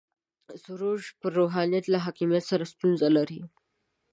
سروش پر روحانیت له حاکمیت سره ستونزه لري.